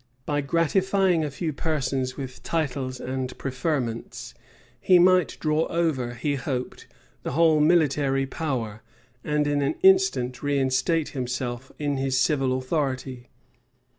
By gratifying a few persons with titles and preferments, he might draw over, he hoped, the whole military power, and in an instant reinstate himself in his civil authority.